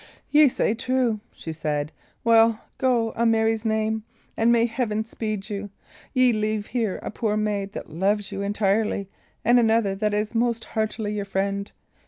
"Ye say true," she said. "Well, go, a Mary's name, and may Heaven speed you! Ye leave here a poor maid that loves you entirely, and another that is most heartily your friend.